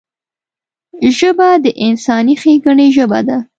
ژبه د انساني ښیګڼې ژبه ده